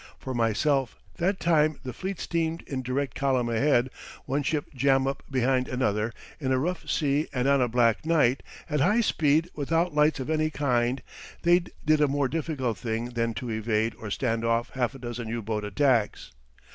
For myself that time the fleet steamed in direct column ahead, one ship jam up behind another, in a rough sea and on a black night, at high speed without lights of any kind, they did a more difficult thing than to evade or stand off half a dozen U boat attacks.